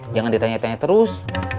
jangan ditanya tanya terus